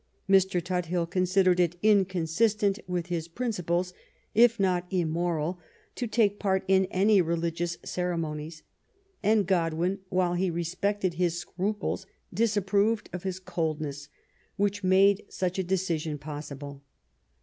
Mr. Tuthil considered it inconsistent with his principles^ if not immoral^ to take part in any religious ceremonies ; and Godwin^ while he respected his scru ples, disapproved of his coldness, which made such a decision possible.